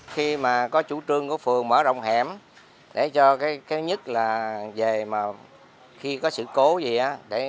khi mà có chủ trương của phường mở rộng hẻm để cho cái nhất là về mà khi có sự cố gì